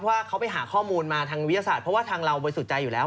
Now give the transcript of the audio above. เพราะว่าเขาไปหาข้อมูลมาทางวิทยาศาสตร์เพราะว่าทางเราบริสุทธิ์ใจอยู่แล้ว